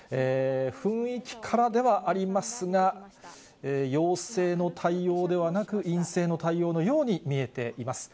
雰囲気からではありますが、陽性の対応ではなく、陰性の対応のように見えています。